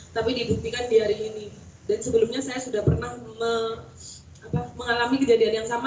tapi dibuktikan di hari ini dan sebelumnya saya sudah pernah mengalami kejadian yang sama